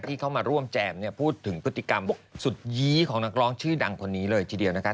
ที่เข้ามาร่วมแจมเนี่ยพูดถึงพฤติกรรมบอกสุดยี้ของนักร้องชื่อดังคนนี้เลยทีเดียวนะคะ